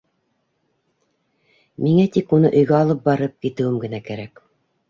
Миңә тик уны өйгә алып барып китеүем генә кәрәк.